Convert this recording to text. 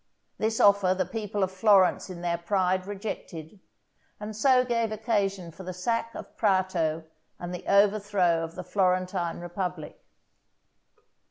This offer the people of Florence in their pride rejected, and so gave occasion for the sack of Prato and the overthrow of the Florentine Republic.